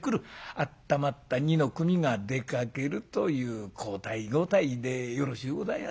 あったまった二の組が出かけるという交代交代でよろしゅうございますか？